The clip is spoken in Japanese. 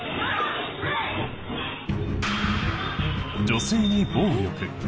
女性に暴力。